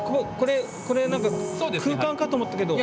これ何か空間かと思ったけど。